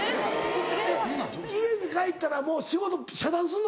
えっ家に帰ったらもう仕事遮断すんのか。